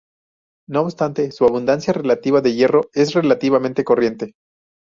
No obstante, su abundancia relativa de hierro es relativamente corriente.